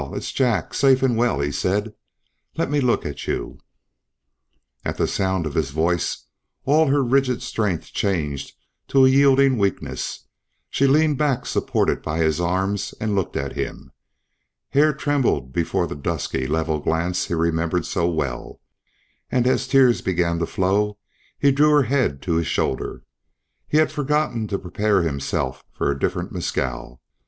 It's Jack, safe and well," he said. "Let me look at you." At the sound of his voice all her rigid strength changed to a yielding weakness; she leaned back supported by his arms and looked at him. Hare trembled before the dusky level glance he remembered so well, and as tears began to flow he drew her head to his shoulder. He had forgotten to prepare himself for a different Mescal.